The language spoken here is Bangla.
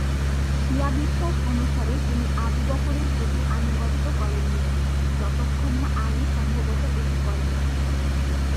শিয়া বিশ্বাস অনুসারে, তিনি আবু বকরের প্রতি আনুগত্য করেননি, যতক্ষণ না আলি সম্ভবত এটি করেনি।